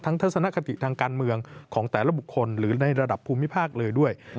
ทัศนคติทางการเมืองของแต่ละบุคคลหรือในระดับภูมิภาคเลยด้วย